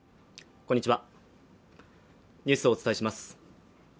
こんにちはニュースをお伝えします。